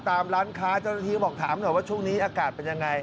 ตามร้านค้าเจ้าหน้าที่ก็บอกถามหน่อยว่าช่วงนี้อากาศเป็นยังไง